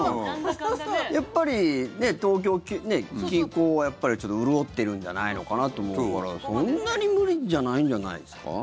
やっぱり東京近郊は潤ってるんじゃないのかなと思うからそんなに無理じゃないんじゃないですか？